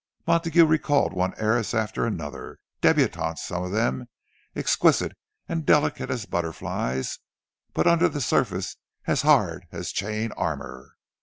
Montague recalled one heiress after another—débutantes, some of them, exquisite and delicate as butterflies—but under the surface as hard as chain armour.